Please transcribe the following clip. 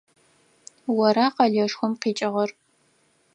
Ора къэлэшхом къикӏыгъэр?